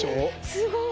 すごい。